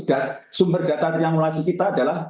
dan sumber data triangulasi kita adalah